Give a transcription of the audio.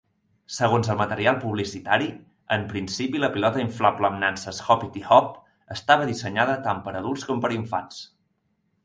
Segons el material publicitari, en principi la pilota inflable amb nanses Hoppity Hop estava dissenyada tant per a adults com per a infants.